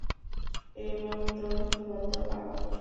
এ লোক তো বদ্ধ পাগল!